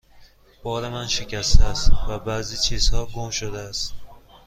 بار من شکسته است و بعضی چیزها گم شده است.